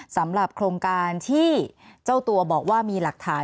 สำหรับโครงการที่เจ้าตัวบอกว่ามีหลักฐาน